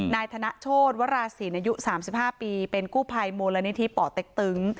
นายธนโชธวราศีลอายุ๓๕ปีเป็นกู้ภัยมูลนิธิป่อเต็กตึง